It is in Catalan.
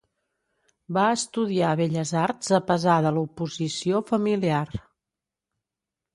Va estudiar Belles Arts a pesar de l'oposició familiar.